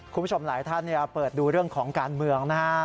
คุณผู้ชมหลายท่านเปิดดูเรื่องของการเมืองนะฮะ